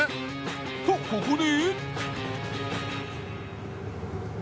とここで。